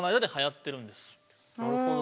なるほど。